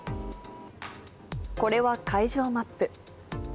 これは海上マップ。